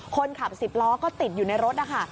คนขับ๑๐ล้อก็ติดอยู่ในรถนะคะ